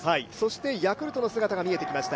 ヤクルトの姿が見えてきました。